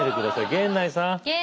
源内さん。